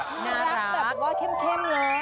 น่ารักแต่แบบเค็มเลย